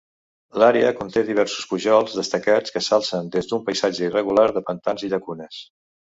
L'àrea conté diversos pujols destacats, que s'alcen des d'un paisatge irregular de pantans i llacunes.